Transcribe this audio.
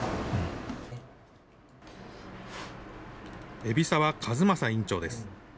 海老沢和荘院長です。